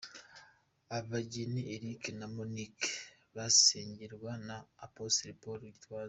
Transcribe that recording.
Abageni Eric na Monique basengerwa na Apostle Paul Gitwaza.